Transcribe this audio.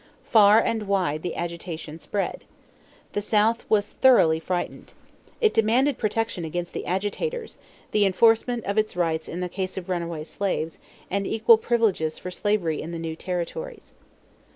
Far and wide the agitation spread. The South was thoroughly frightened. It demanded protection against the agitators, the enforcement of its rights in the case of runaway slaves, and equal privileges for slavery in the new territories.